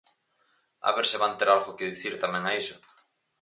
A ver se van ter algo que dicir tamén a iso.